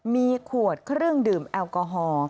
มีขวดเครื่องดื่มแอลกอฮอล์